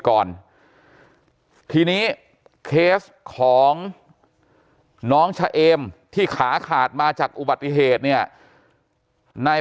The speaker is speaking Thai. ก่อนทีนี้เคสของน้องชะเอมที่ขาขาดมาจากอุบัติเหตุเนี่ยนาย